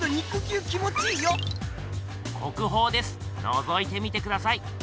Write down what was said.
のぞいてみてください。